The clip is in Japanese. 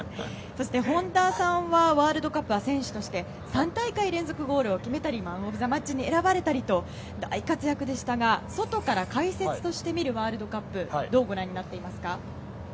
そして本田さんはワールドカップは選手として３大会連続ゴールを決めたりマン・オブ・ザ・マッチに選ばれたりと大活躍でしたがそとから解説として見るワールドカップどうご覧になっていますか？